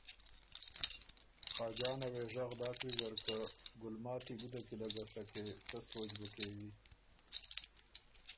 خاجان ژغ داک ویزر که ”ګلماتی ګُده کی له ګستکې څۀ سوچ بُو کېوی؟“